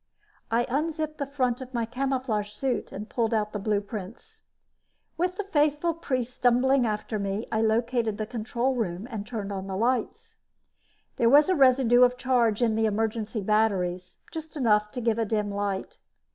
I unzipped the front of my camouflage suit and pulled out the blueprints. With the faithful priests stumbling after me, I located the control room and turned on the lights. There was a residue of charge in the emergency batteries, just enough to give a dim light.